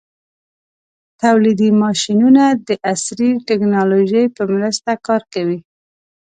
تولیدي ماشینونه د عصري ټېکنالوژۍ په مرسته کار کوي.